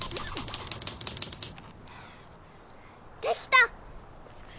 できた！